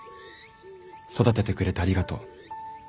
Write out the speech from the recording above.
育ててくれてありがとう。